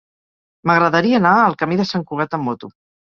M'agradaria anar al camí de Sant Cugat amb moto.